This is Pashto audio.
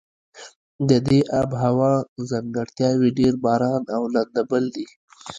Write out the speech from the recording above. د دې آب هوا ځانګړتیاوې ډېر باران او لنده بل دي.